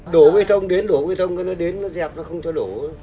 đổ bê tông đến đổ bê tông nó đến nó dẹp nó không cho đổ